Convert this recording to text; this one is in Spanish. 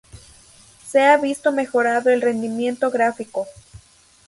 Se ha visto mejorado el rendimiento gráfico.